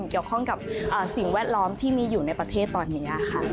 เกี่ยวข้องกับสิ่งแวดล้อมที่มีอยู่ในประเทศตอนนี้ค่ะ